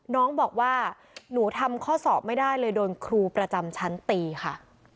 น้องบอกว่าหนูทำข้อสอบไม่ได้เลยโดนครูประจำชั้นตีค่ะ